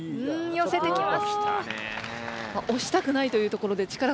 よせてきます！